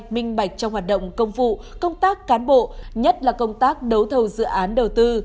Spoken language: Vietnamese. minh bạch trong hoạt động công vụ công tác cán bộ nhất là công tác đấu thầu dự án đầu tư